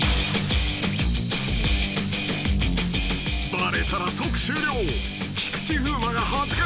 ［バレたら即終了］